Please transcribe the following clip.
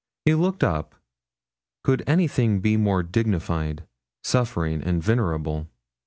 He looked up. Could anything be more dignified, suffering, and venerable?